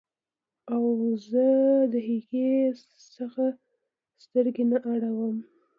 او زه د هغې څخه سترګې نه اړوم